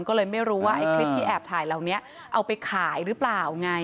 ก็เลยไม่รู้ว่าไอ้คลิปที่แอบถ่ายเหล่านี้เอาไปขายหรือเปล่าไง